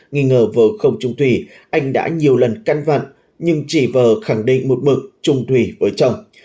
nghi ngờ vợ không trung thủy anh đã nhiều lần căn vận nhưng chị vợ khẳng định một mực trung thủy với chồng